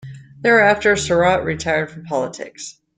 Thereafter Sarraut retired from politics.